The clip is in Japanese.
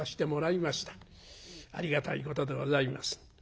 ありがたいことでございます。